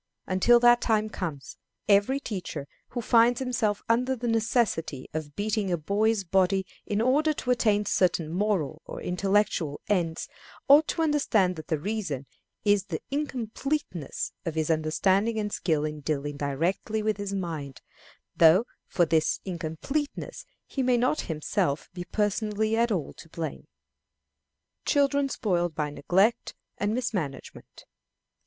Until that time comes, every teacher who finds himself under the necessity of beating a boy's body in order to attain certain moral or intellectual ends ought to understand that the reason is the incompleteness of his understanding and skill in dealing directly with his mind; though for this incompleteness he may not himself be personally at all to blame. Children spoiled by Neglect and Mismanagement.